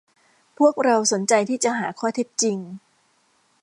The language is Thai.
พวกเราสนใจที่จะหาข้อเท็จจริง